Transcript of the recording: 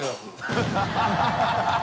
ハハハ